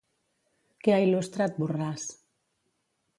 Què ha il·lustrat Borràs?